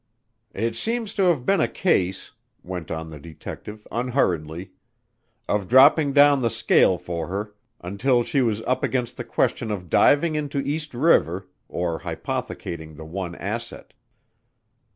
"It seems to have been a case," went on the detective unhurriedly, "of dropping down the scale for her until she was up against the question of diving into East River or hypothecating the one asset."